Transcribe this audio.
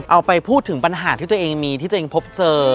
เอาไปพูดถึงปัญหาที่ตัวเองมีที่ตัวเองพบเจอ